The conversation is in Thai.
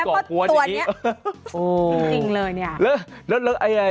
สกิดยิ้ม